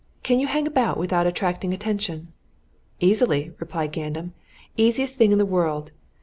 Can you hang about without attracting attention?" "Easily!" replied Gandam. "Easiest thing in the world.